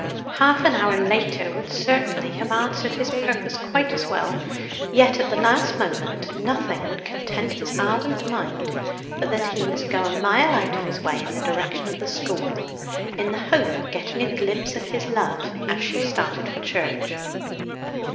Half an hour later would certainly have answered his purpose quite as well, yet at the last moment nothing would content his ardent mind but that he must go a mile out of his way in the direction of the school, in the hope of getting a glimpse of his Love as she started for church.